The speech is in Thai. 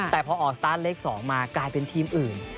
แต่พอออกสตาร์ทเลข๒มากลายเป็นทีมอื่น